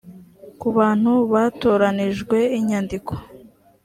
ku bantu batoranijwe inyandiko